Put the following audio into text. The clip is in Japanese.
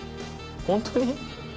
本当に？